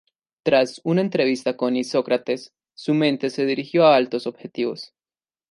Tras una entrevista con Isócrates, su mente se dirigió a altos objetivos.